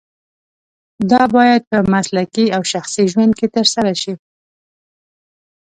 دا باید په مسلکي او شخصي ژوند کې ترسره شي.